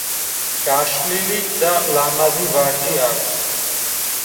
გაშლილი და ლამაზი ვარჯი აქვს.